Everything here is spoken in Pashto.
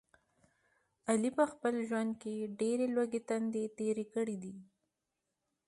علي په خپل ژوند کې ډېرې لوږې تندې تېرې کړي دي.